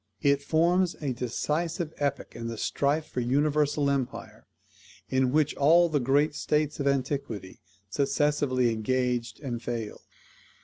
It forms a decisive epoch in the strife for universal empire, in which all the great states of antiquity successively engaged and failed.